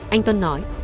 anh tuân nói